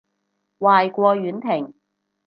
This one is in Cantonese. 壞過婉婷